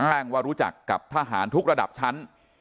ว่ารู้จักกับทหารทุกระดับชั้น